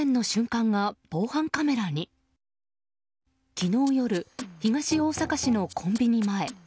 昨日夜、東大阪市のコンビニ前。